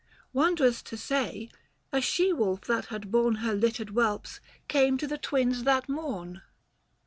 Wondrous to say, a she wolf that had borne Her littered whelps, came to the Twins that morn.